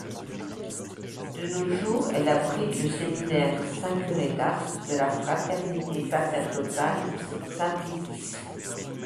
De nos jours, elle abrite le séminaire Saint-Curé-d'Ars de la Fraternité sacerdotale Saint-Pie-X.